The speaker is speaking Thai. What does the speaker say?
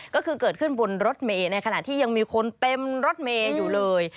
ก็คือเกิดขึ้นบนรถเมย์ในขณะที่ยังมีคนเต็มรถเมย์อยู่เลย